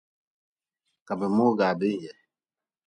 Ka bi mogaa bin ye.